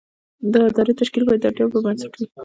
د ادارې تشکیل باید د اړتیاوو پر بنسټ وي.